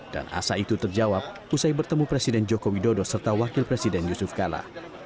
dan asa itu terjawab usai bertemu presiden joko widodo serta wakil presiden yusuf kala